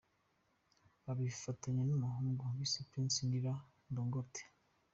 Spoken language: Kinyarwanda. Bafitanye n’umuhungu bise Prince Nillan Dangote.